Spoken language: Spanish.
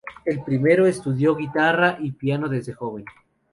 El primero estudió guitarra y piano desde joven.